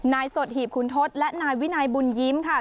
สดหีบคุณทศและนายวินัยบุญยิ้มค่ะ